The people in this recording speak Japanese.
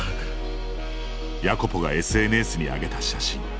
ヤコポがＳＮＳに上げた写真。